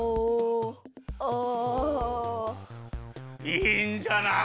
いいんじゃない？